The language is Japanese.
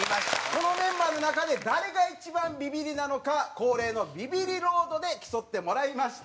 このメンバーの中で誰が一番ビビリなのか恒例のビビリロードで競ってもらいました。